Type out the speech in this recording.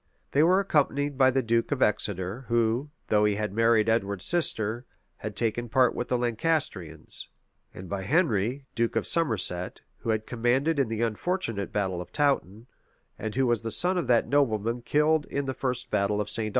They were accompanied by the duke of Exeter, who, though he had married Edward's sister, had taken part with the Lancastrians; and by Henry, duke of Somerset, who had commanded in the unfortunate battle of Touton, and who was the son of that nobleman killed in the first battle of St. Albans.